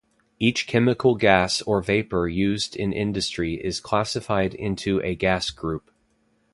Each chemical gas or vapour used in industry is classified into a gas group.